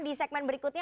di segmen berikutnya